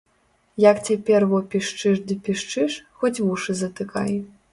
Як цяпер во пішчыш ды пішчыш, хоць вушы затыкай.